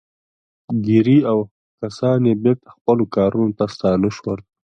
ګیري او کسان یې بېرته خپلو کارونو ته ستانه شول